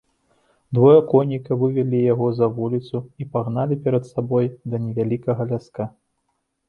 Двое коннікаў вывелі яго за вуліцу і пагналі перад сабой да невялікага ляска.